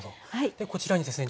でこちらにですね